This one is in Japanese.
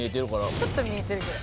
ちょっと見えてるぐらい。